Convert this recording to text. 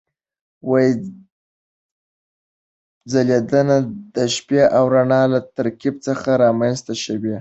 ځلېدنه د شپې او رڼا له ترکیب څخه رامنځته شوې.